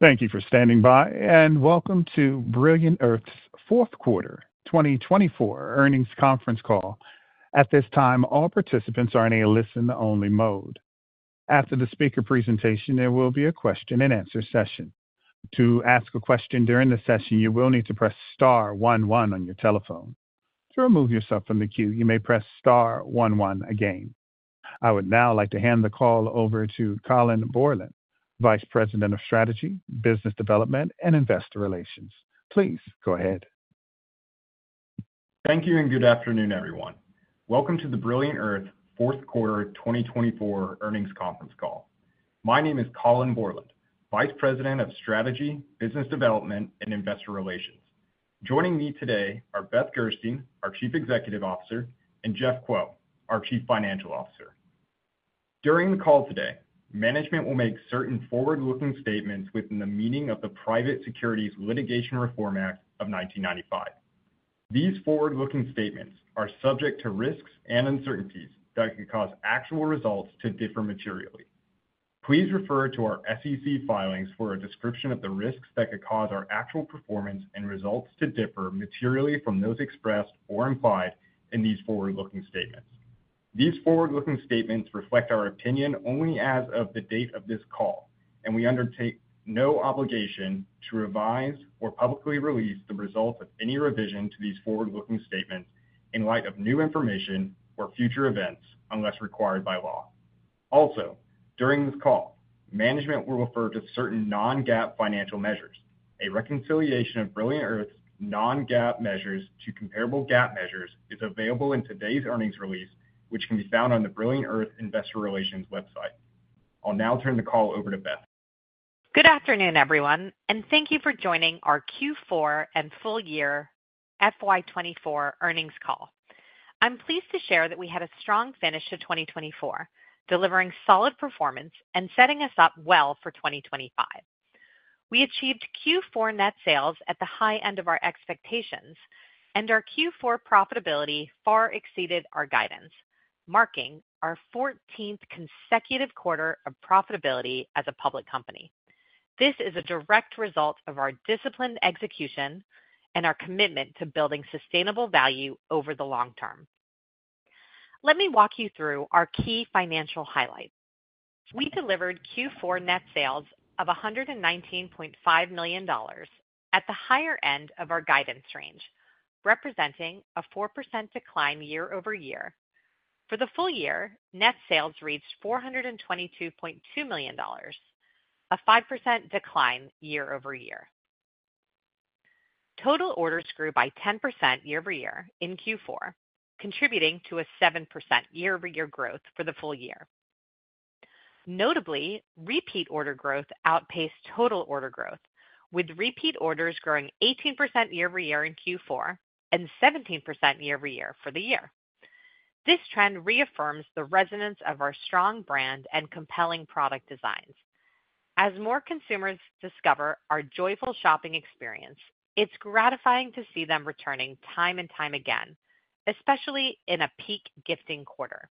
Thank you for standing by, and welcome to Brilliant Earth's Q4 2024 Earnings Conference Call. At this time, all participants are in a listen-only mode. After the speaker presentation, there will be a question-and-answer session. To ask a question during the session, you will need to press star one one on your telephone. To remove yourself from the queue, you may press star one one again. I would now like to hand the call over to Colin Bourland, Vice President of Strategy, Business Development, and Investor Relations. Please go ahead. Thank you and good afternoon, everyone. Welcome to the Brilliant Earth Q4 2024 Earnings Conference Call. My name is Colin Bourland, Vice President of Strategy, Business Development, and Investor Relations. Joining me today are Beth Gerstein, our Chief Executive Officer, and Jeff Kuo, our Chief Financial Officer. During the call today, management will make certain forward-looking statements within the meaning of the Private Securities Litigation Reform Act of 1995. These forward-looking statements are subject to risks and uncertainties that could cause actual results to differ materially. Please refer to our SEC filings for a description of the risks that could cause our actual performance and results to differ materially from those expressed or implied in these forward-looking statements. These forward-looking statements reflect our opinion only as of the date of this call, and we undertake no obligation to revise or publicly release the results of any revision to these forward-looking statements in light of new information or future events, unless required by law. Also, during this call, management will refer to certain non-GAAP financial measures. A reconciliation of Brilliant Earth's non-GAAP measures to comparable GAAP measures is available in today's earnings release, which can be found on the Brilliant Earth Investor Relations website. I'll now turn the call over to Beth. Good afternoon, everyone, and thank you for joining our Q4 and full-year FY24 Earnings Call. I'm pleased to share that we had a strong finish to 2024, delivering solid performance and setting us up well for 2025. We achieved Q4 net sales at the high end of our expectations, and our Q4 profitability far exceeded our guidance, marking our 14th consecutive quarter of profitability as a public company. This is a direct result of our disciplined execution and our commitment to building sustainable value over the long term. Let me walk you through our key financial highlights. We delivered Q4 net sales of $119.5 million at the higher end of our guidance range, representing a 4% decline year-over-year. For the full year, net sales reached $422.2 million, a 5% decline year-over-year. Total orders grew by 10% year-over-year in Q4, contributing to a 7% year-over-year growth for the full year. Notably, repeat order growth outpaced total order growth, with repeat orders growing 18% year-over-year in Q4 and 17% year-over-year for the year. This trend reaffirms the resonance of our strong brand and compelling product designs. As more consumers discover our joyful shopping experience, it's gratifying to see them returning time and time again, especially in a peak gifting quarter.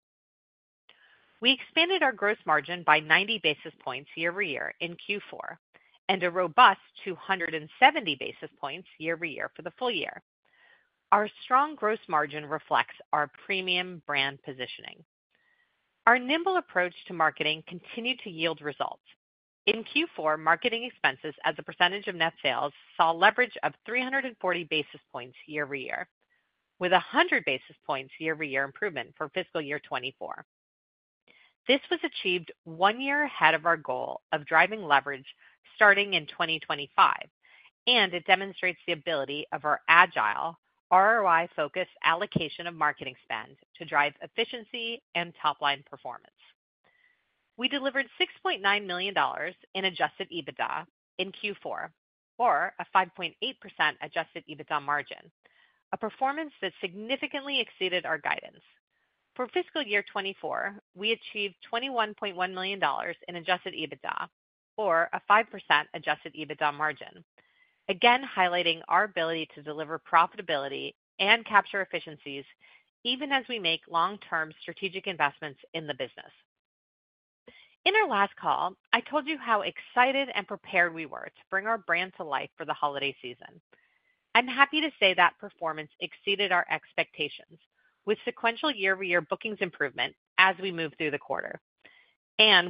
We expanded our gross margin by 90 basis points year-over-year in Q4 and a robust 270 basis points year-over-year for the full year. Our strong gross margin reflects our premium brand positioning. Our nimble approach to marketing continued to yield results. In Q4, marketing expenses as a percentage of net sales saw leverage of 340 basis points year-over-year, with 100 basis points year-over-year improvement for fiscal year 2024. This was achieved one year ahead of our goal of driving leverage starting in 2025, and it demonstrates the ability of our agile, ROI-focused allocation of marketing spend to drive efficiency and top-line performance. We delivered $6.9 million in adjusted EBITDA in Q4, or a 5.8% adjusted EBITDA margin, a performance that significantly exceeded our guidance. For fiscal year 2024, we achieved $21.1 million in adjusted EBITDA, or a 5% adjusted EBITDA margin, again highlighting our ability to deliver profitability and capture efficiencies even as we make long-term strategic investments in the business. In our last call, I told you how excited and prepared we were to bring our brand to life for the holiday season. I'm happy to say that performance exceeded our expectations, with sequential year-over-year bookings improvement as we moved through the quarter.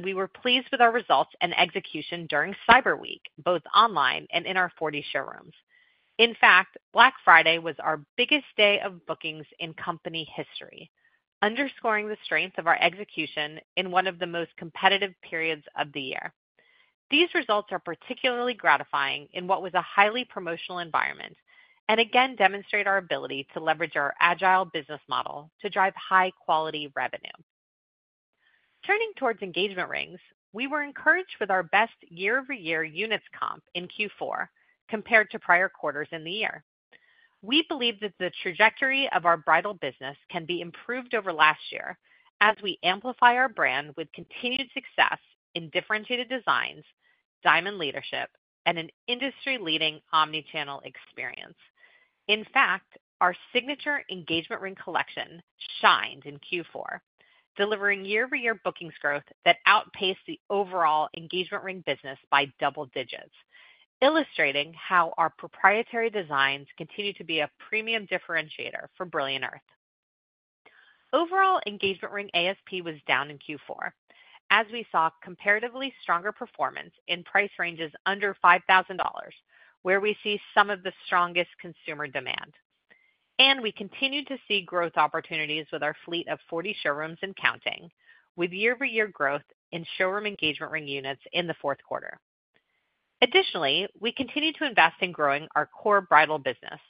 We were pleased with our results and execution during Cyber Week, both online and in our 40 showrooms. In fact, Black Friday was our biggest day of bookings in company history, underscoring the strength of our execution in one of the most competitive periods of the year. These results are particularly gratifying in what was a highly promotional environment and again demonstrate our ability to leverage our agile business model to drive high-quality revenue. Turning towards engagement rings, we were encouraged with our best year-over-year units comp in Q4 compared to prior quarters in the year. We believe that the trajectory of our bridal business can be improved over last year as we amplify our brand with continued success in differentiated designs, diamond leadership, and an industry-leading omnichannel experience. In fact, our signature engagement ring collection shined in Q4, delivering year-over-year bookings growth that outpaced the overall engagement ring business by double digits, illustrating how our proprietary designs continue to be a premium differentiator for Brilliant Earth. Overall, engagement ring ASP was down in Q4, as we saw comparatively stronger performance in price ranges under $5,000, where we see some of the strongest consumer demand. We continue to see growth opportunities with our fleet of 40 showrooms and counting, with year-over-year growth in showroom engagement ring units in the Q4. Additionally, we continue to invest in growing our core bridal business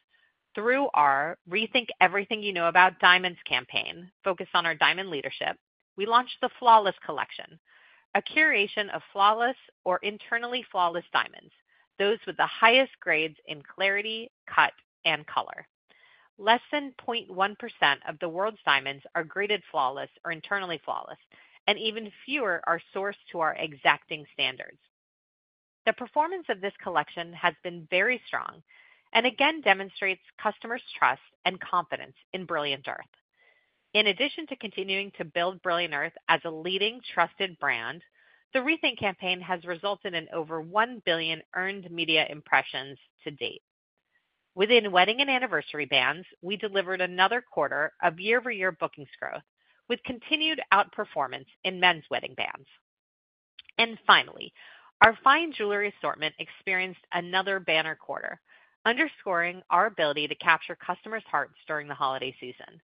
through our Rethink Everything You Know About Diamonds campaign, focused on our diamond leadership. We launched the Flawless Collection, a curation of flawless or internally flawless diamonds, those with the highest grades in clarity, cut, and color. Less than 0.1% of the world's diamonds are graded flawless or internally flawless, and even fewer are sourced to our exacting standards. The performance of this collection has been very strong and again demonstrates customers' trust and confidence in Brilliant Earth. In addition to continuing to build Brilliant Earth as a leading, trusted brand, the Rethink campaign has resulted in over 1 billion earned media impressions to date. Within wedding and anniversary bands, we delivered another quarter of year-over-year bookings growth, with continued outperformance in men's wedding bands. Finally, our fine jewelry assortment experienced another banner quarter, underscoring our ability to capture customers' hearts during the holiday season.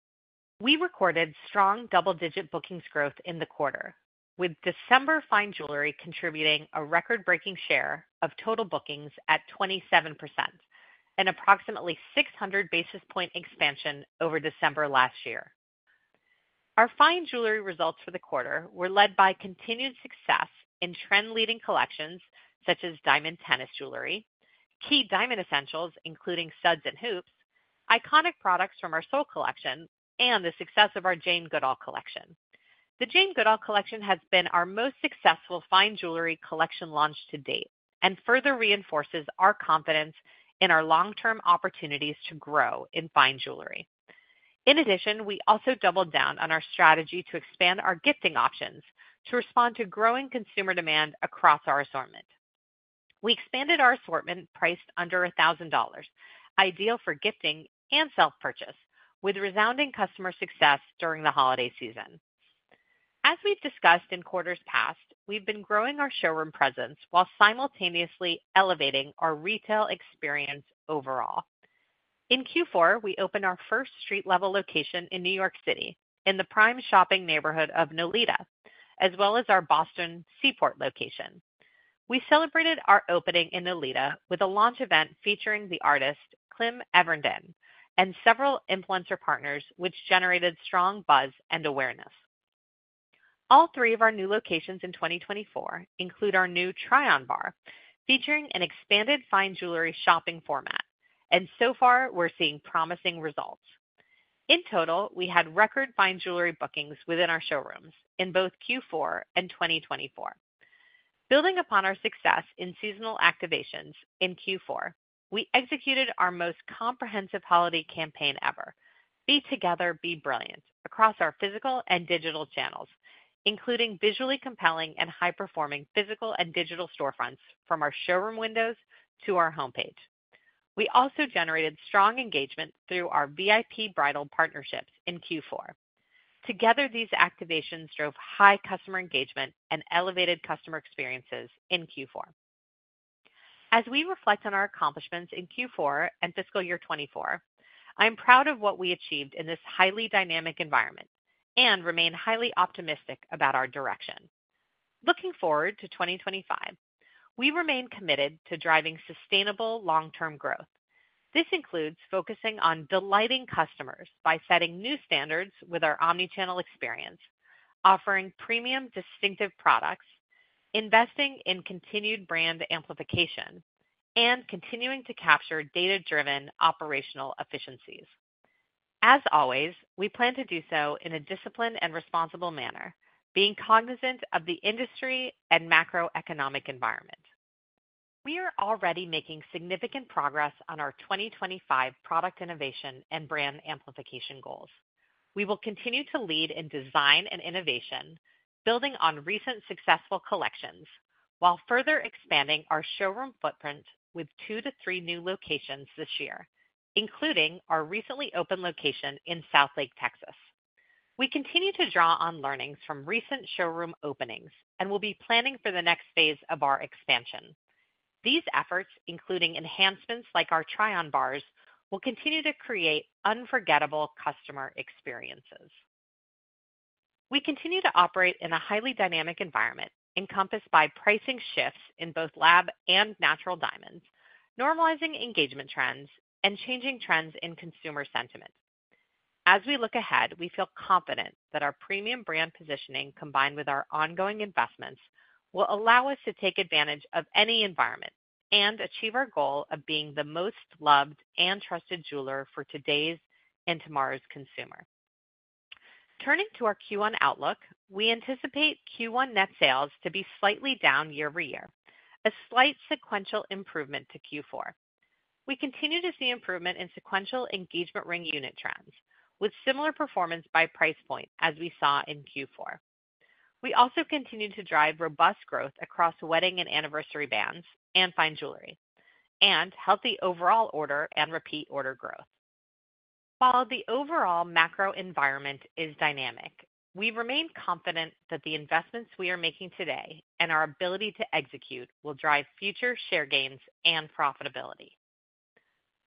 We recorded strong double-digit bookings growth in the quarter, with December fine jewelry contributing a record-breaking share of total bookings at 27%, an approximately 600 basis point expansion over December last year. Our fine jewelry results for the quarter were led by continued success in trend-leading collections such as diamond tennis jewelry, key diamond essentials including studs and hoops, iconic products from our Soleil Collection, and the success of our Jane Goodall Collection. The Jane Goodall Collection has been our most successful fine jewelry collection launch to date and further reinforces our confidence in our long-term opportunities to grow in fine jewelry. In addition, we also doubled down on our strategy to expand our gifting options to respond to growing consumer demand across our assortment. We expanded our assortment priced under $1,000, ideal for gifting and self-purchase, with resounding customer success during the holiday season. As we've discussed in quarters past, we've been growing our showroom presence while simultaneously elevating our retail experience overall. In Q4, we opened our first street-level location in New York City in the prime shopping neighborhood of Nolita, as well as our Boston Seaport location. We celebrated our opening in Nolita with a launch event featuring the artist Clym Evernden and several influencer partners, which generated strong buzz and awareness. All three of our new locations in 2024 include our new Try-On Bar, featuring an expanded fine jewelry shopping format, and so far, we're seeing promising results. In total, we had record fine jewelry bookings within our showrooms in both Q4 and 2024. Building upon our success in seasonal activations in Q4, we executed our most comprehensive holiday campaign ever, Be Together, Be Brilliant, across our physical and digital channels, including visually compelling and high-performing physical and digital storefronts from our showroom windows to our homepage. We also generated strong engagement through our VIP bridal partnerships in Q4. Together, these activations drove high customer engagement and elevated customer experiences in Q4. As we reflect on our accomplishments in Q4 and fiscal year 2024, I'm proud of what we achieved in this highly dynamic environment and remain highly optimistic about our direction. Looking forward to 2025, we remain committed to driving sustainable long-term growth. This includes focusing on delighting customers by setting new standards with our omnichannel experience, offering premium distinctive products, investing in continued brand amplification, and continuing to capture data-driven operational efficiencies. As always, we plan to do so in a disciplined and responsible manner, being cognizant of the industry and macroeconomic environment. We are already making significant progress on our 2025 product innovation and brand amplification goals. We will continue to lead in design and innovation, building on recent successful collections, while further expanding our showroom footprint with two to three new locations this year, including our recently opened location in Southlake, Texas. We continue to draw on learnings from recent showroom openings and will be planning for the next phase of our expansion. These efforts, including enhancements like our Try-On Bars, will continue to create unforgettable customer experiences. We continue to operate in a highly dynamic environment encompassed by pricing shifts in both lab and natural diamonds, normalizing engagement trends and changing trends in consumer sentiment. As we look ahead, we feel confident that our premium brand positioning, combined with our ongoing investments, will allow us to take advantage of any environment and achieve our goal of being the most loved and trusted jeweler for today's and tomorrow's consumer. Turning to our Q1 outlook, we anticipate Q1 net sales to be slightly down year-over-year, a slight sequential improvement to Q4. We continue to see improvement in sequential engagement ring unit trends, with similar performance by price point as we saw in Q4. We also continue to drive robust growth across wedding and anniversary bands and fine jewelry, and healthy overall order and repeat order growth. While the overall macro environment is dynamic, we remain confident that the investments we are making today and our ability to execute will drive future share gains and profitability.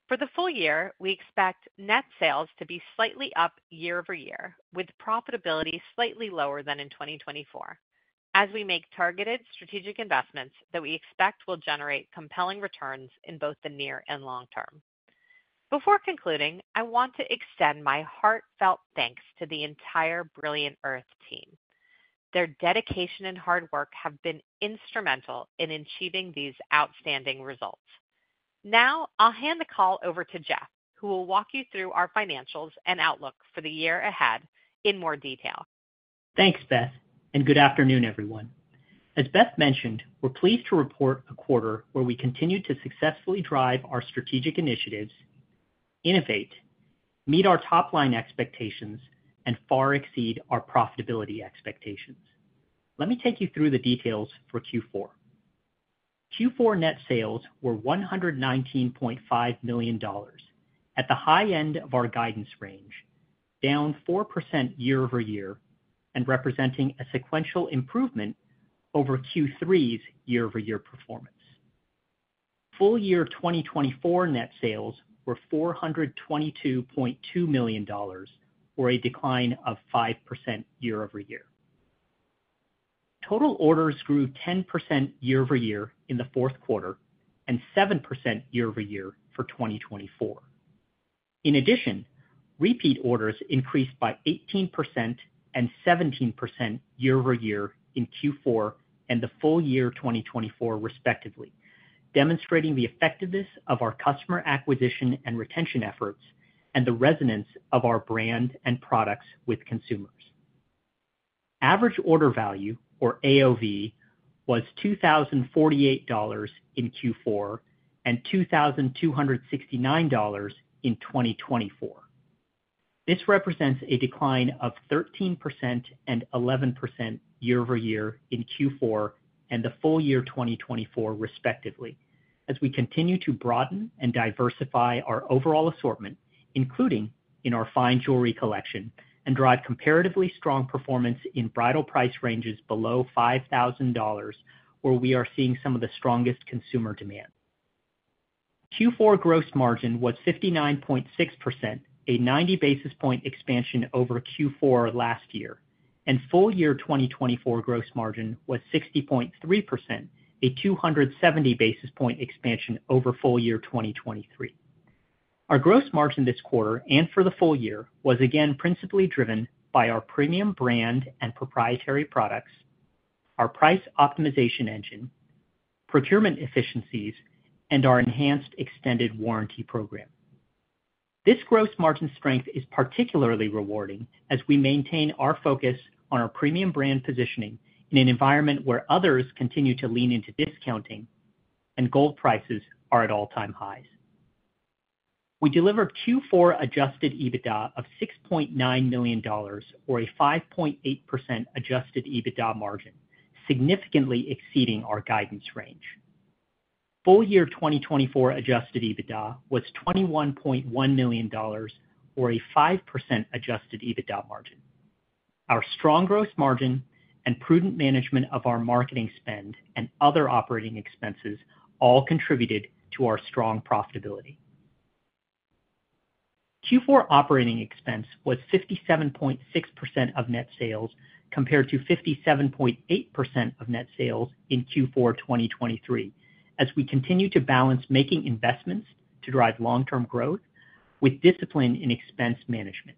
For the full year, we expect net sales to be slightly up year-over-year, with profitability slightly lower than in 2024, as we make targeted strategic investments that we expect will generate compelling returns in both the near and long term. Before concluding, I want to extend my heartfelt thanks to the entire Brilliant Earth team. Their dedication and hard work have been instrumental in achieving these outstanding results. Now, I'll hand the call over to Jeff, who will walk you through our financials and outlook for the year ahead in more detail. Thanks, Beth, and good afternoon, everyone. As Beth mentioned, we're pleased to report a quarter where we continue to successfully drive our strategic initiatives, innovate, meet our top-line expectations, and far exceed our profitability expectations. Let me take you through the details for Q4. Q4 net sales were $119.5 million at the high end of our guidance range, down 4% year-over-year and representing a sequential improvement over Q3's year-over-year performance. Full year 2024 net sales were $422.2 million, or a decline of 5% year-over-year. Total orders grew 10% year-over-year in the Q4 and 7% year-over-year for 2024. In addition, repeat orders increased by 18% and 17% year-over-year in Q4 and the full year 2024, respectively, demonstrating the effectiveness of our customer acquisition and retention efforts and the resonance of our brand and products with consumers. Average order value, or AOV, was $2,048 in Q4 and $2,269 in 2024. This represents a decline of 13% and 11% year-over-year in Q4 and the full year 2024, respectively, as we continue to broaden and diversify our overall assortment, including in our fine jewelry collection, and drive comparatively strong performance in bridal price ranges below $5,000, where we are seeing some of the strongest consumer demand. Q4 gross margin was 59.6%, a 90 basis point expansion over Q4 last year, and full year 2024 gross margin was 60.3%, a 270 basis point expansion over full year 2023. Our gross margin this quarter and for the full year was again principally driven by our premium brand and proprietary products, our price optimization engine, procurement efficiencies, and our enhanced extended warranty program. This gross margin strength is particularly rewarding as we maintain our focus on our premium brand positioning in an environment where others continue to lean into discounting and gold prices are at all-time highs. We deliver Q4 adjusted EBITDA of $6.9 million, or a 5.8% adjusted EBITDA margin, significantly exceeding our guidance range. Full year 2024 adjusted EBITDA was $21.1 million, or a 5% adjusted EBITDA margin. Our strong gross margin and prudent management of our marketing spend and other operating expenses all contributed to our strong profitability. Q4 operating expense was 57.6% of net sales compared to 57.8% of net sales in Q4 2023, as we continue to balance making investments to drive long-term growth with discipline in expense management.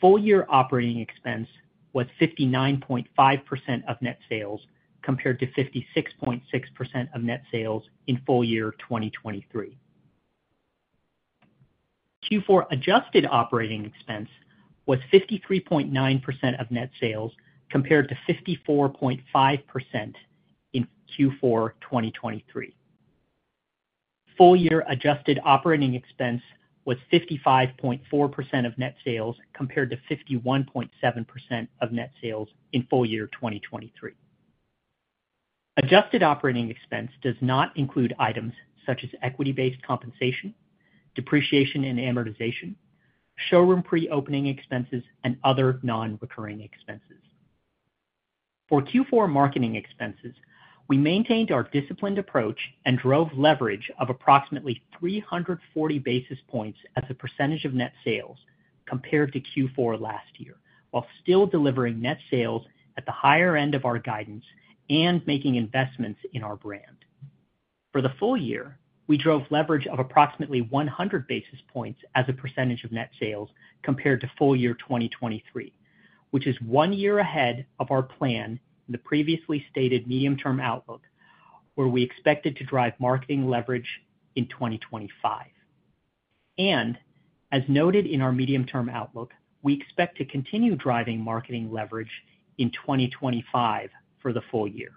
Full year operating expense was 59.5% of net sales compared to 56.6% of net sales in full year 2023. Q4 adjusted operating expense was 53.9% of net sales compared to 54.5% in Q4 2023. Full year adjusted operating expense was 55.4% of net sales compared to 51.7% of net sales in full year 2023. Adjusted operating expense does not include items such as equity-based compensation, depreciation and amortization, showroom pre-opening expenses, and other non-recurring expenses. For Q4 marketing expenses, we maintained our disciplined approach and drove leverage of approximately 340 basis points as a percentage of net sales compared to Q4 last year, while still delivering net sales at the higher end of our guidance and making investments in our brand. For the full year, we drove leverage of approximately 100 basis points as a percentage of net sales compared to full year 2023, which is one year ahead of our plan in the previously stated medium-term outlook, where we expected to drive marketing leverage in 2025. As noted in our medium-term outlook, we expect to continue driving marketing leverage in 2025 for the full year.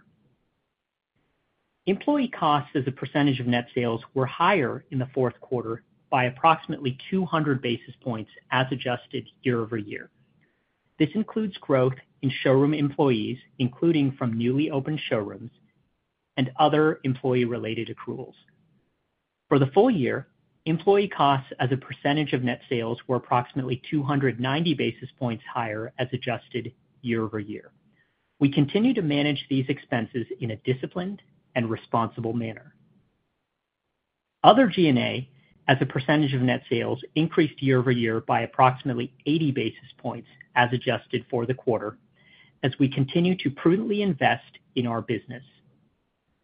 Employee costs as a percentage of net sales were higher in the Q4 by approximately 200 basis points as adjusted year-over-year. This includes growth in showroom employees, including from newly opened showrooms and other employee-related accruals. For the full year, employee costs as a percentage of net sales were approximately 290 basis points higher as adjusted year-over-year. We continue to manage these expenses in a disciplined and responsible manner. Other G&A as a percentage of net sales increased year-over-year by approximately 80 basis points as adjusted for the quarter, as we continue to prudently invest in our business.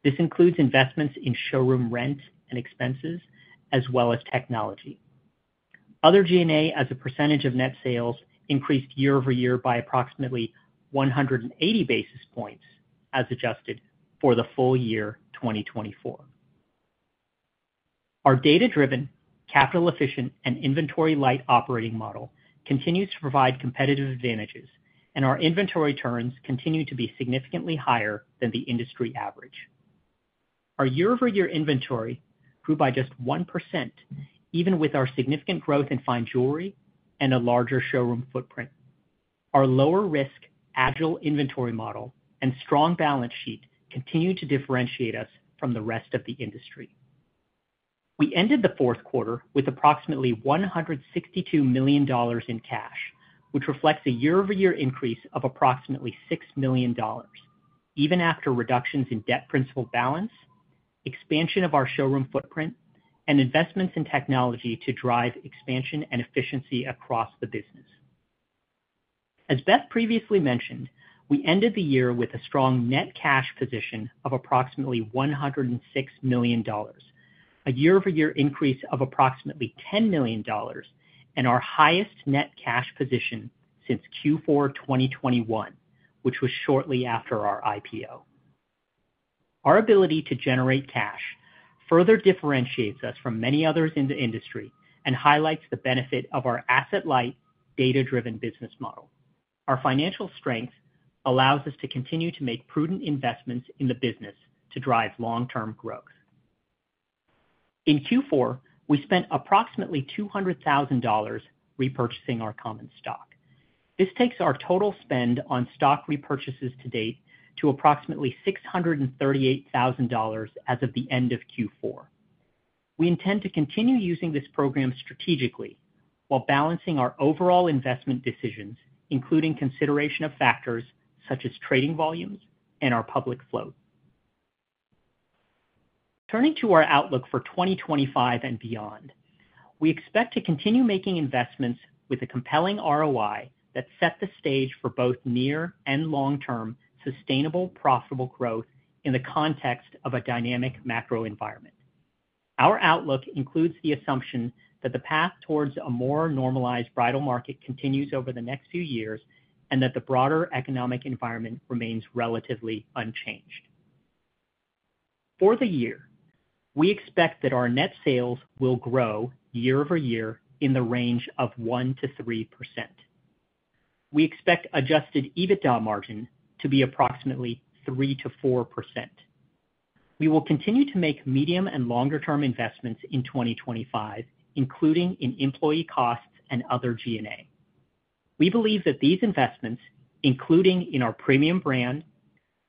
This includes investments in showroom rent and expenses, as well as technology. Other G&A as a percentage of net sales increased year-over-year by approximately 180 basis points as adjusted for the full year 2024. Our data-driven, capital-efficient, and inventory-light operating model continues to provide competitive advantages, and our inventory turns continue to be significantly higher than the industry average. Our year-over-year inventory grew by just 1%, even with our significant growth in fine jewelry and a larger showroom footprint. Our lower-risk, agile inventory model and strong balance sheet continue to differentiate us from the rest of the industry. We ended the Q4 with approximately $162 million in cash, which reflects a year-over-year increase of approximately $6 million, even after reductions in debt principal balance, expansion of our showroom footprint, and investments in technology to drive expansion and efficiency across the business. As Beth previously mentioned, we ended the year with a strong net cash position of approximately $106 million, a year-over-year increase of approximately $10 million, and our highest net cash position since Q4 2021, which was shortly after our IPO. Our ability to generate cash further differentiates us from many others in the industry and highlights the benefit of our asset-light, data-driven business model. Our financial strength allows us to continue to make prudent investments in the business to drive long-term growth. In Q4, we spent approximately $200,000 repurchasing our common stock. This takes our total spend on stock repurchases to date to approximately $638,000 as of the end of Q4. We intend to continue using this program strategically while balancing our overall investment decisions, including consideration of factors such as trading volumes and our public float. Turning to our outlook for 2025 and beyond, we expect to continue making investments with a compelling ROI that set the stage for both near and long-term sustainable, profitable growth in the context of a dynamic macro environment. Our outlook includes the assumption that the path towards a more normalized bridal market continues over the next few years and that the broader economic environment remains relatively unchanged. For the year, we expect that our net sales will grow year-over-year in the range of 1%-3%. We expect adjusted EBITDA margin to be approximately 3%-4%. We will continue to make medium and longer-term investments in 2025, including in employee costs and other G&A. We believe that these investments, including in our premium brand,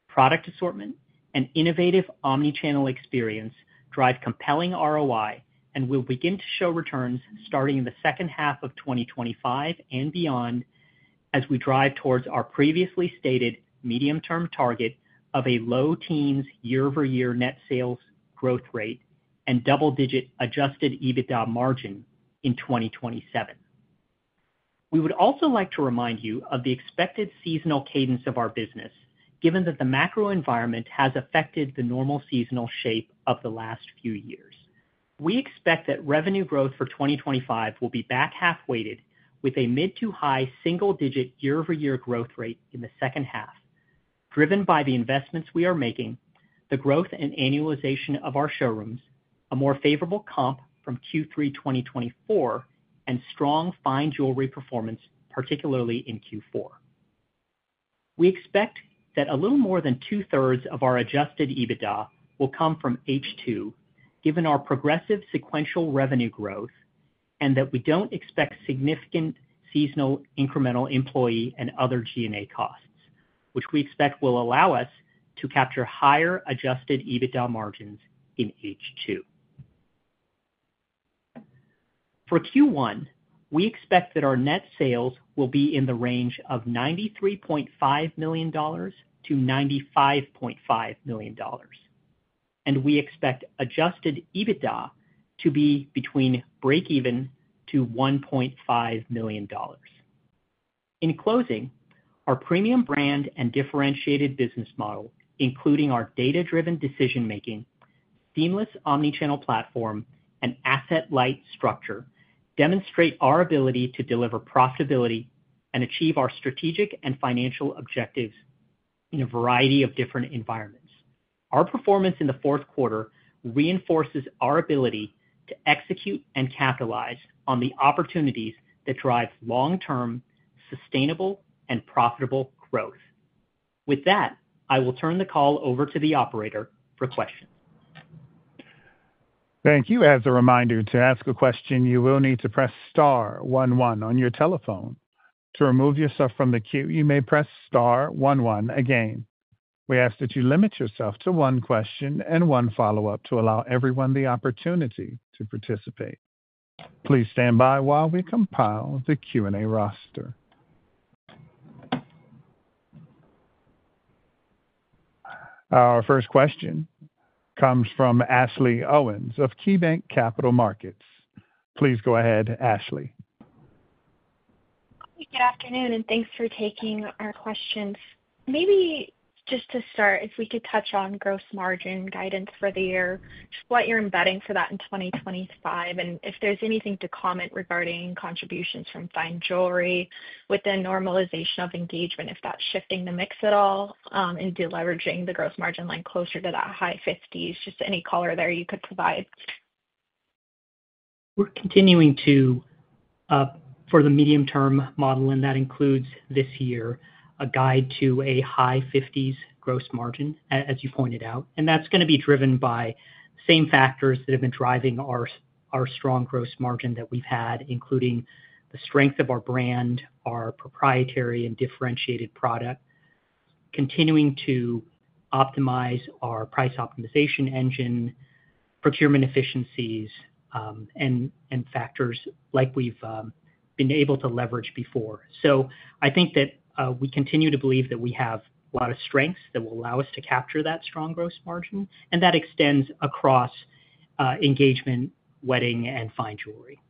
product assortment, and innovative omnichannel experience, drive compelling ROI and will begin to show returns starting in the second half of 2025 and beyond as we drive towards our previously stated medium-term target of a low teens year-over-year net sales growth rate and double-digit adjusted EBITDA margin in 2027. We would also like to remind you of the expected seasonal cadence of our business, given that the macro environment has affected the normal seasonal shape of the last few years. We expect that revenue growth for 2025 will be back half-weighted with a mid to high single-digit year-over-year growth rate in the second half, driven by the investments we are making, the growth and annualization of our showrooms, a more favorable comp from Q3 2024, and strong fine jewelry performance, particularly in Q4. We expect that a little more than two-thirds of our adjusted EBITDA will come from H2, given our progressive sequential revenue growth, and that we do not expect significant seasonal incremental employee and other G&A costs, which we expect will allow us to capture higher adjusted EBITDA margins in H2. For Q1, we expect that our net sales will be in the range of $93.5 million-$95.5 million, and we expect adjusted EBITDA to be between break-even to $1.5 million. In closing, our premium brand and differentiated business model, including our data-driven decision-making, seamless omnichannel platform, and asset-light structure, demonstrate our ability to deliver profitability and achieve our strategic and financial objectives in a variety of different environments. Our performance in the Q4 reinforces our ability to execute and capitalize on the opportunities that drive long-term sustainable and profitable growth. With that, I will turn the call over to the operator for questions. Thank you. As a reminder, to ask a question, you will need to press star 11 on your telephone. To remove yourself from the queue, you may press star 11 again. We ask that you limit yourself to one question and one follow-up to allow everyone the opportunity to participate. Please stand by while we compile the Q&A roster. Our first question comes from Ashley Owens of KeyBanc Capital Markets. Please go ahead, Ashley. Good afternoon, and thanks for taking our questions. Maybe just to start, if we could touch on gross margin guidance for the year, what you're embedding for that in 2025, and if there's anything to comment regarding contributions from fine jewelry with the normalization of engagement, if that's shifting the mix at all, and deleveraging the gross margin line closer to that high 50s. Just any color there you could provide. We're continuing to, for the medium-term model, and that includes this year, a guide to a high 50s gross margin, as you pointed out. That is going to be driven by the same factors that have been driving our strong gross margin that we've had, including the strength of our brand, our proprietary and differentiated product, continuing to optimize our price optimization engine, procurement efficiencies, and factors like we've been able to leverage before. I think that we continue to believe that we have a lot of strengths that will allow us to capture that strong gross margin, and that extends across engagement, wedding, and fine jewelry.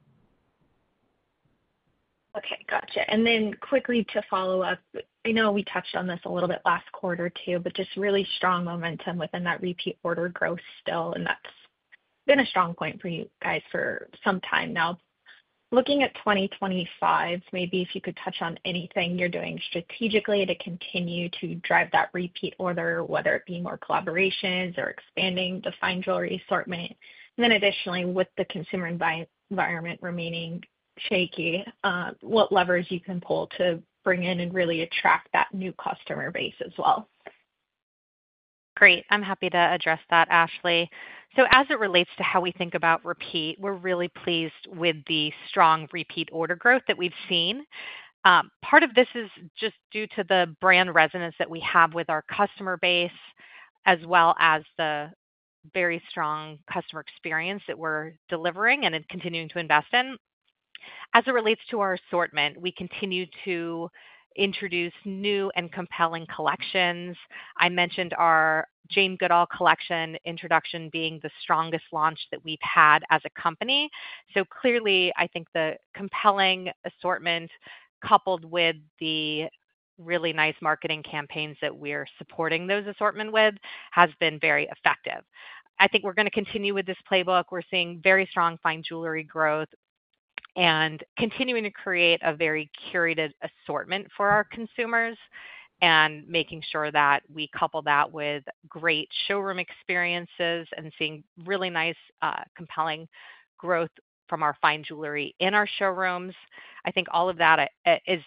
Okay. Gotcha. And then quickly to follow up, I know we touched on this a little bit last quarter too, but just really strong momentum within that repeat order growth still, and that's been a strong point for you guys for some time now. Looking at 2025, maybe if you could touch on anything you're doing strategically to continue to drive that repeat order, whether it be more collaborations or expanding the fine jewelry assortment. And then additionally, with the consumer environment remaining shaky, what levers you can pull to bring in and really attract that new customer base as well. Great. I'm happy to address that, Ashley. As it relates to how we think about repeat, we're really pleased with the strong repeat order growth that we've seen. Part of this is just due to the brand resonance that we have with our customer base, as well as the very strong customer experience that we're delivering and continuing to invest in. As it relates to our assortment, we continue to introduce new and compelling collections. I mentioned our Jane Goodall Collection introduction being the strongest launch that we've had as a company. Clearly, I think the compelling assortment coupled with the really nice marketing campaigns that we're supporting those assortment with has been very effective. I think we're going to continue with this playbook. We're seeing very strong fine jewelry growth and continuing to create a very curated assortment for our consumers and making sure that we couple that with great showroom experiences and seeing really nice, compelling growth from our fine jewelry in our showrooms. I think all of that is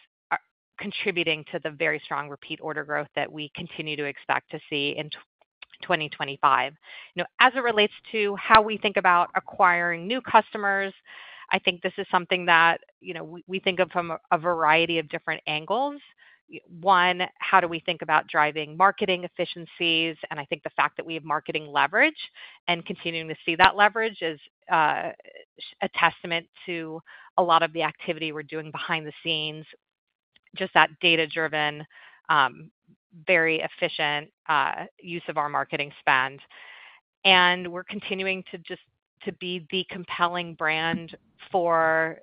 contributing to the very strong repeat order growth that we continue to expect to see in 2025. As it relates to how we think about acquiring new customers, I think this is something that we think of from a variety of different angles. One, how do we think about driving marketing efficiencies? I think the fact that we have marketing leverage and continuing to see that leverage is a testament to a lot of the activity we're doing behind the scenes, just that data-driven, very efficient use of our marketing spend. We're continuing to just be the compelling brand for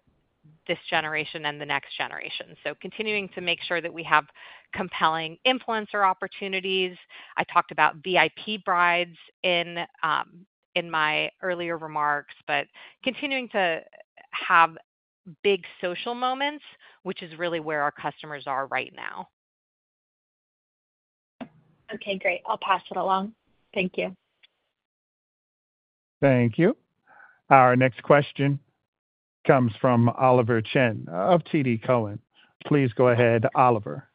this generation and the next generation. Continuing to make sure that we have compelling influencer opportunities. I talked about VIP brides in my earlier remarks, but continuing to have big social moments, which is really where our customers are right now. Okay. Great. I'll pass it along. Thank you. Thank you. Our next question comes from Oliver Chen of TD Cowen. Please go ahead, Oliver.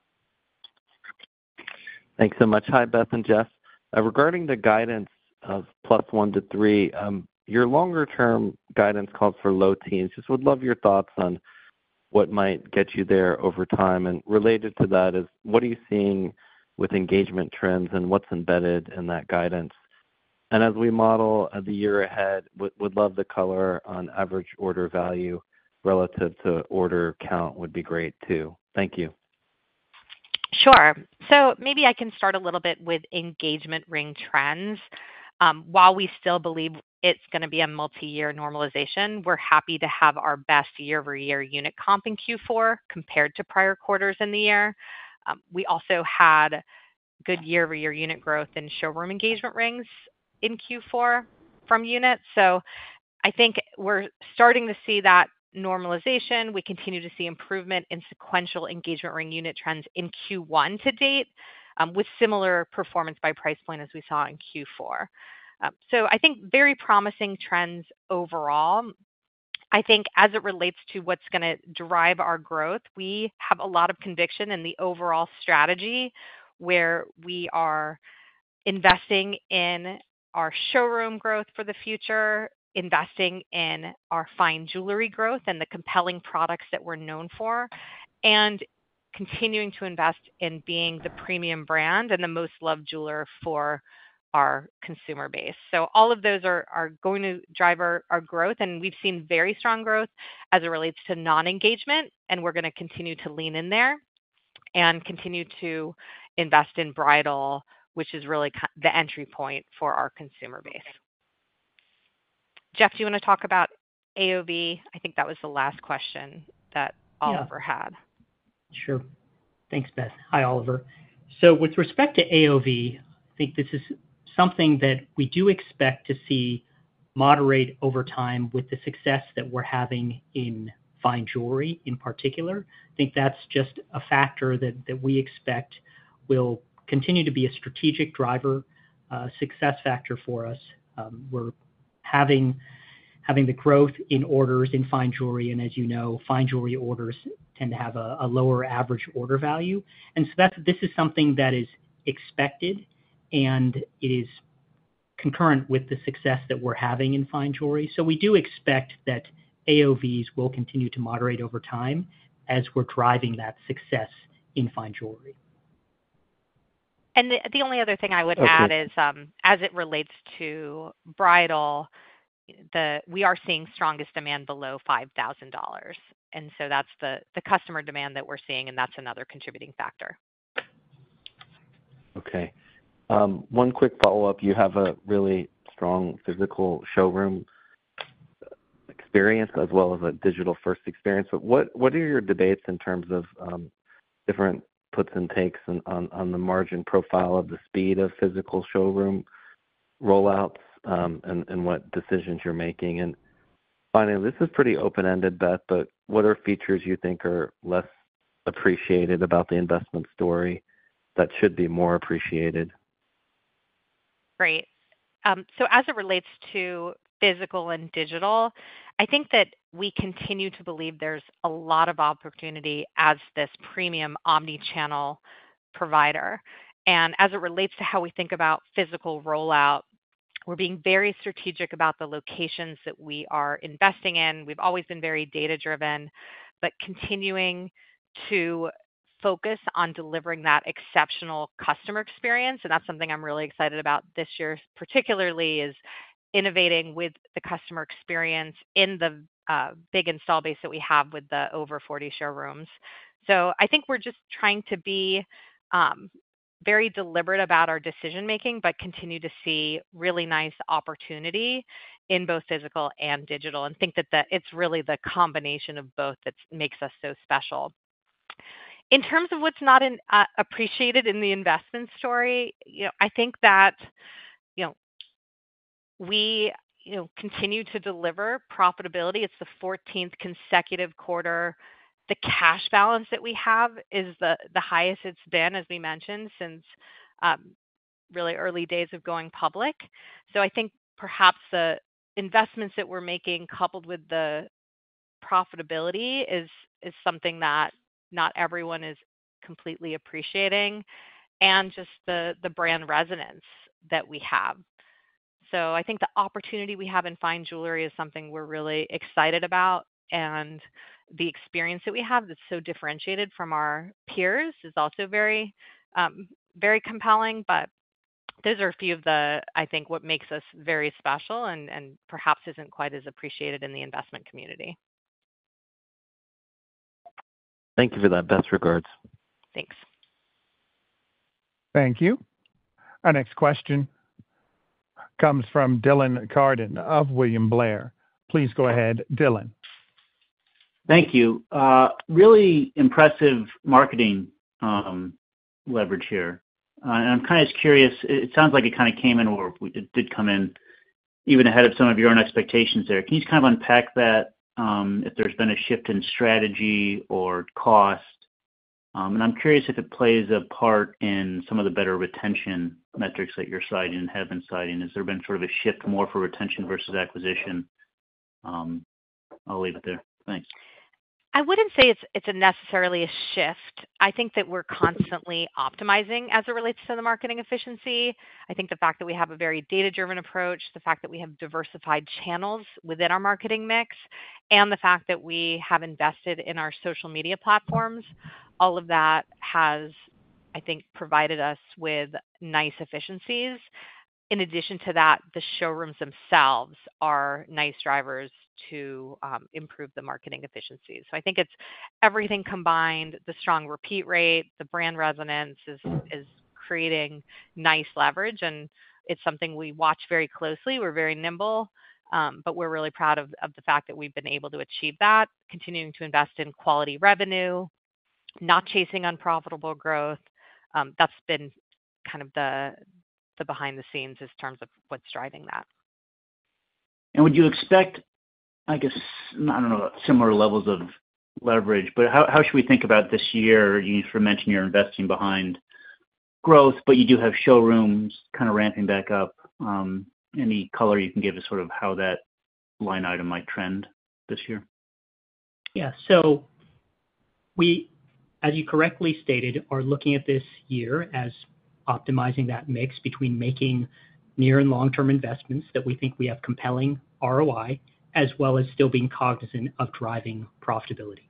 Thanks so much. Hi, Beth and Jeff. Regarding the guidance of plus one to three, your longer-term guidance calls for low teens. Just would love your thoughts on what might get you there over time. And related to that is, what are you seeing with engagement trends and what's embedded in that guidance? As we model the year ahead, would love the color on average order value relative to order count would be great too. Thank you. Sure. Maybe I can start a little bit with engagement ring trends. While we still believe it's going to be a multi-year normalization, we're happy to have our best year-over-year unit comp in Q4 compared to prior quarters in the year. We also had good year-over-year unit growth in showroom engagement rings in Q4 from units. I think we're starting to see that normalization. We continue to see improvement in sequential engagement ring unit trends in Q1 to date with similar performance by price point as we saw in Q4. I think very promising trends overall. I think as it relates to what's going to drive our growth, we have a lot of conviction in the overall strategy where we are investing in our showroom growth for the future, investing in our fine jewelry growth and the compelling products that we're known for, and continuing to invest in being the premium brand and the most loved jeweler for our consumer base. All of those are going to drive our growth, and we've seen very strong growth as it relates to non-engagement, and we're going to continue to lean in there and continue to invest in bridal, which is really the entry point for our consumer base. Jeff, do you want to talk about AOV? I think that was the last question that Oliver had. Sure. Thanks, Beth. Hi, Oliver. With respect to AOV, I think this is something that we do expect to see moderate over time with the success that we're having in fine jewelry in particular. I think that's just a factor that we expect will continue to be a strategic driver, a success factor for us. We're having the growth in orders in fine jewelry, and as you know, fine jewelry orders tend to have a lower average order value. This is something that is expected, and it is concurrent with the success that we're having in fine jewelry. We do expect that AOVs will continue to moderate over time as we're driving that success in fine jewelry. The only other thing I would add is, as it relates to bridal, we are seeing strongest demand below $5,000. That's the customer demand that we're seeing, and that's another contributing factor. Okay. One quick follow-up. You have a really strong physical showroom experience as well as a digital-first experience. What are your debates in terms of different puts and takes on the margin profile of the speed of physical showroom rollouts and what decisions you're making? Finally, this is pretty open-ended, Beth, but what are features you think are less appreciated about the investment story that should be more appreciated? Great. As it relates to physical and digital, I think that we continue to believe there's a lot of opportunity as this premium omnichannel provider. As it relates to how we think about physical rollout, we're being very strategic about the locations that we are investing in. We've always been very data-driven, but continuing to focus on delivering that exceptional customer experience. That is something I'm really excited about this year, particularly innovating with the customer experience in the big install base that we have with the over 40 showrooms. I think we're just trying to be very deliberate about our decision-making, but continue to see really nice opportunity in both physical and digital, and think that it's really the combination of both that makes us so special. In terms of what's not appreciated in the investment story, I think that we continue to deliver profitability. It's the 14th consecutive quarter. The cash balance that we have is the highest it's been, as we mentioned, since really early days of going public. I think perhaps the investments that we're making coupled with the profitability is something that not everyone is completely appreciating, and just the brand resonance that we have. I think the opportunity we have in fine jewelry is something we're really excited about, and the experience that we have that's so differentiated from our peers is also very compelling. Those are a few of the, I think, what makes us very special and perhaps isn't quite as appreciated in the investment community. Thank you for that. Best regards. Thanks. Thank you. Our next question comes from Dylan Carden of William Blair. Please go ahead, Dylan. Thank you. Really impressive marketing leverage here. I'm kind of just curious. It sounds like it kind of came in, or it did come in even ahead of some of your own expectations there. Can you just kind of unpack that if there's been a shift in strategy or cost? I'm curious if it plays a part in some of the better retention metrics that you're citing and have been citing. Has there been sort of a shift more for retention versus acquisition? I'll leave it there. Thanks. I wouldn't say it's necessarily a shift. I think that we're constantly optimizing as it relates to the marketing efficiency. I think the fact that we have a very data-driven approach, the fact that we have diversified channels within our marketing mix, and the fact that we have invested in our social media platforms, all of that has, I think, provided us with nice efficiencies. In addition to that, the showrooms themselves are nice drivers to improve the marketing efficiencies. I think it's everything combined, the strong repeat rate, the brand resonance is creating nice leverage, and it's something we watch very closely. We're very nimble, but we're really proud of the fact that we've been able to achieve that, continuing to invest in quality revenue, not chasing unprofitable growth. That's been kind of the behind the scenes in terms of what's driving that. Would you expect, I guess, I don't know, similar levels of leverage, but how should we think about this year? You mentioned you're investing behind growth, but you do have showrooms kind of ramping back up. Any color you can give us sort of how that line item might trend this year? Yeah. We, as you correctly stated, are looking at this year as optimizing that mix between making near and long-term investments that we think we have compelling ROI, as well as still being cognizant of driving profitability.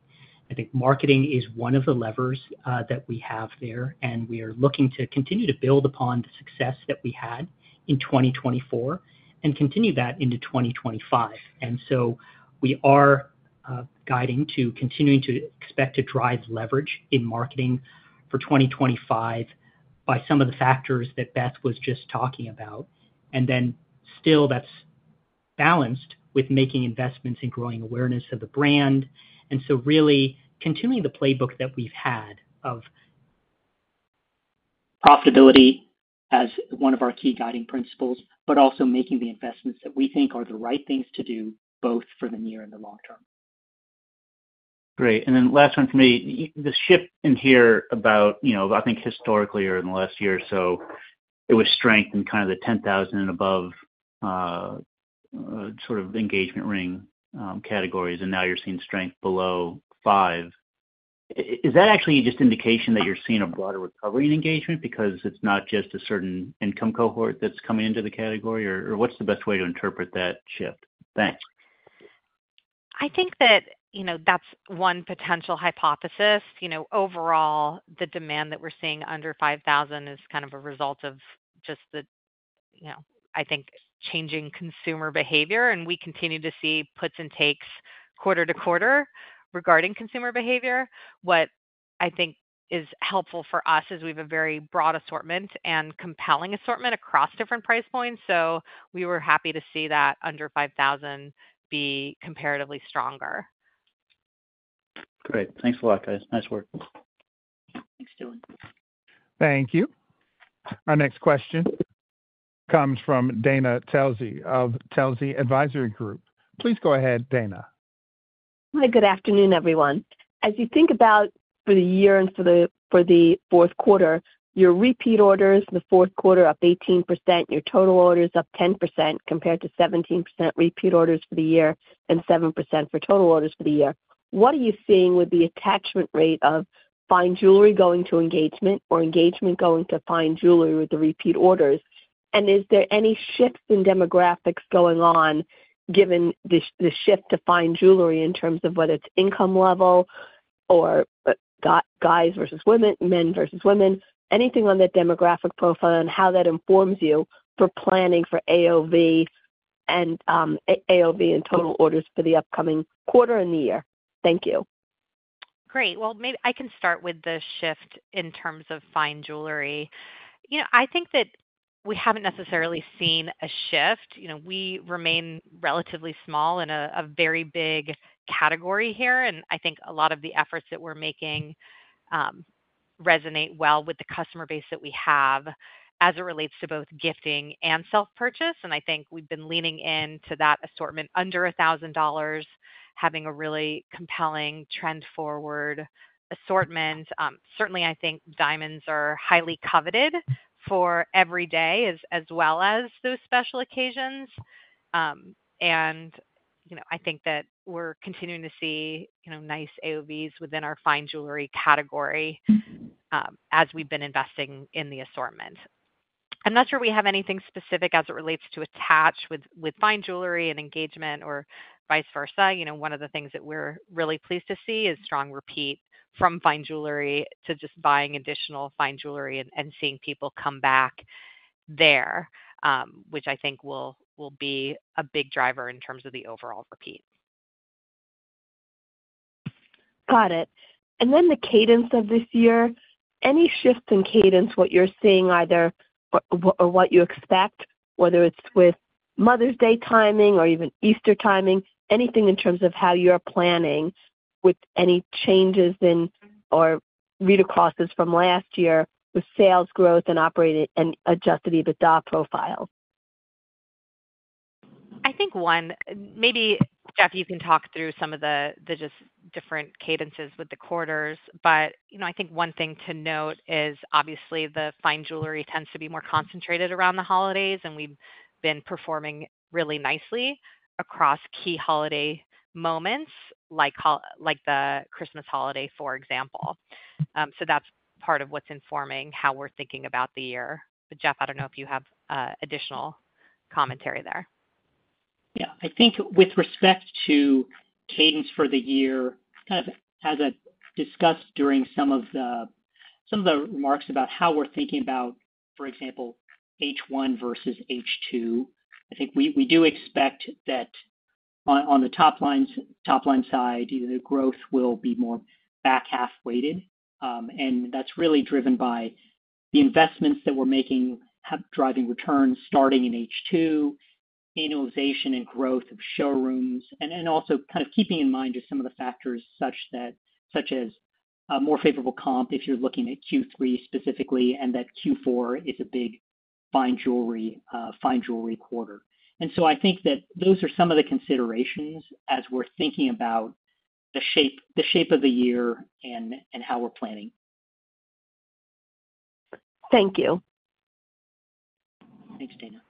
I think marketing is one of the levers that we have there, and we are looking to continue to build upon the success that we had in 2024 and continue that into 2025. We are guiding to continuing to expect to drive leverage in marketing for 2025 by some of the factors that Beth was just talking about. That is balanced with making investments and growing awareness of the brand. We are really continuing the playbook that we have had of profitability as one of our key guiding principles, but also making the investments that we think are the right things to do both for the near and the long term. Great. Last one for me. The shift in here about, I think, historically or in the last year or so, it was strength in kind of the $10,000 and above sort of engagement ring categories, and now you're seeing strength below five. Is that actually just an indication that you're seeing a broader recovery in engagement because it's not just a certain income cohort that's coming into the category, or what's the best way to interpret that shift? Thanks. I think that that's one potential hypothesis. Overall, the demand that we're seeing under $5,000 is kind of a result of just the, I think, changing consumer behavior, and we continue to see puts and takes quarter to quarter regarding consumer behavior. What I think is helpful for us is we have a very broad assortment and compelling assortment across different price points. We were happy to see that under $5,000 be comparatively stronger. Great. Thanks a lot, guys. Nice work. Thanks, Dylan. Thank you. Our next question comes from Dana Telsey of Telsey Advisory Group. Please go ahead, Dana. Hi, good afternoon, everyone. As you think about for the year and for the Q4, your repeat orders in the Q4 are up 18%. Your total orders are up 10% compared to 17% repeat orders for the year and 7% for total orders for the year. What are you seeing with the attachment rate of fine jewelry going to engagement or engagement going to fine jewelry with the repeat orders? Is there any shift in demographics going on given the shift to fine jewelry in terms of whether it's income level or guys versus women, men versus women? Anything on that demographic profile and how that informs you for planning for AOV and total orders for the upcoming quarter and the year? Thank you. Great. Maybe I can start with the shift in terms of fine jewelry. I think that we haven't necessarily seen a shift. We remain relatively small in a very big category here, and I think a lot of the efforts that we're making resonate well with the customer base that we have as it relates to both gifting and self-purchase. I think we've been leaning into that assortment under $1,000, having a really compelling trend-forward assortment. Certainly, I think diamonds are highly coveted for every day as well as those special occasions. I think that we're continuing to see nice AOVs within our fine jewelry category as we've been investing in the assortment. I'm not sure we have anything specific as it relates to attach with fine jewelry and engagement or vice versa. One of the things that we're really pleased to see is strong repeat from fine jewelry to just buying additional fine jewelry and seeing people come back there, which I think will be a big driver in terms of the overall repeat. Got it. The cadence of this year, any shift in cadence, what you're seeing either or what you expect, whether it's with Mother's Day timing or even Easter timing, anything in terms of how you're planning with any changes in or read across this from last year with sales growth and adjusted EBITDA profile? I think one. Maybe, Jeff, you can talk through some of the just different cadences with the quarters, but I think one thing to note is obviously the fine jewelry tends to be more concentrated around the holidays, and we've been performing really nicely across key holiday moments like the Christmas holiday, for example. That is part of what's informing how we're thinking about the year. Jeff, I don't know if you have additional commentary there. Yeah. I think with respect to cadence for the year, kind of as I discussed during some of the remarks about how we're thinking about, for example, H1 versus H2, I think we do expect that on the top line side, the growth will be more back half-weighted. That is really driven by the investments that we are making, driving returns starting in H2, annualization and growth of showrooms, and also kind of keeping in mind just some of the factors such as more favorable comp if you are looking at Q3 specifically, and that Q4 is a big fine jewelry quarter. I think that those are some of the considerations as we are thinking about the shape of the year and how we are planning. Thank you. Thanks, Dana.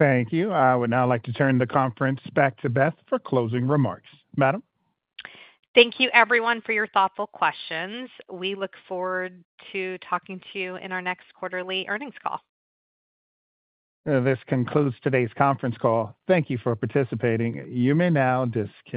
Thank you. I would now like to turn the conference back to Beth for closing remarks. Madam? Thank you, everyone, for your thoughtful questions. We look forward to talking to you in our next quarterly earnings call. This concludes today's conference call. Thank you for participating. You may now disconnect.